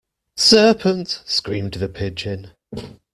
‘Serpent!’ screamed the Pigeon.